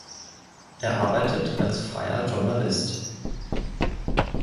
Er arbeitet als freier Journalist.